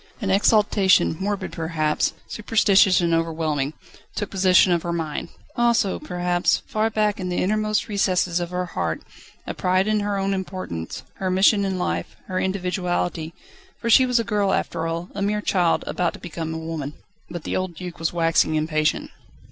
An exaltation, morbid perhaps, superstitious and overwhelming, took possession of her mind; also, perhaps, far back in the innermost recesses of her heart, a pride in her own importance, her mission in life, her individuality: for she was a girl after all, a mere child, about to become a woman. But the old Duc was waxing impatient.